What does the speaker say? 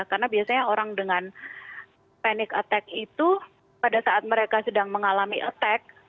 karena biasanya orang dengan panic attack itu pada saat mereka sedang mengalami attack